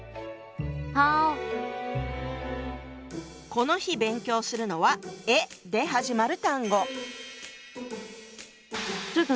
この日勉強するのは「え」で始まる単語。